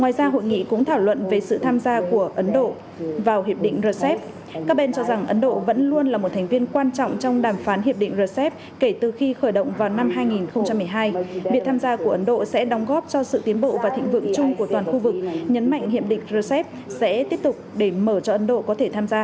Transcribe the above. ngoài ra hội nghị cũng thảo luận về sự tham gia của ấn độ vào hiệp định rcep các bên cho rằng ấn độ vẫn luôn là một thành viên quan trọng trong đàm phán hiệp định rcep kể từ khi khởi động vào năm hai nghìn một mươi hai việc tham gia của ấn độ sẽ đóng góp cho sự tiến bộ và thịnh vượng chung của toàn khu vực nhấn mạnh hiệp định rcep sẽ tiếp tục để mở cho ấn độ có thể tham gia